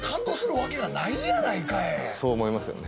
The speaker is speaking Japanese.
そう思いますよね。